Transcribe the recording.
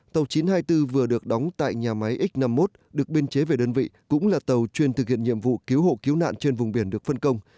tàu chín trăm hai mươi bốn vừa được đóng tại nhà máy x năm mươi một được biên chế về đơn vị cũng là tàu chuyên thực hiện nhiệm vụ cứu hộ cứu nạn trên vùng biển được phân công